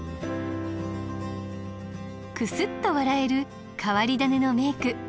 クスッと笑える変わり種の名句。